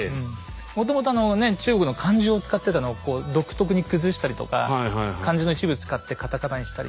もともと中国の漢字を使ってたのを独特に崩したりとか漢字の一部使ってカタカナにしたり。